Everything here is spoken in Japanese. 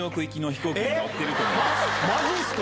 マジっすか？